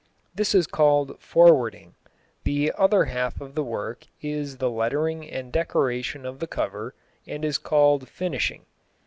This is called "forwarding." The other half of the work is the lettering and decoration of the cover, and is called "finishing."